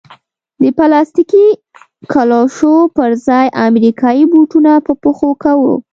د پلاستیکي کلوشو پر ځای امریکایي بوټونه په پښو کوو.